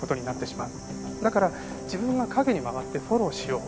だから自分が陰に回ってフォローしよう。